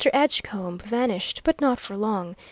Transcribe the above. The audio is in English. Edgecombe vanished, but not for long.